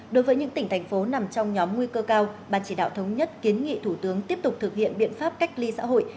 đối với những tỉnh thành phố nằm trong nhóm nguy cơ cao ban chỉ đạo thống nhất kiến nghị thủ tướng tiếp tục thực hiện biện pháp cách ly xã hội